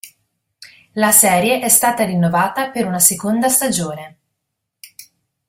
La serie è stata rinnovata per una seconda stagione.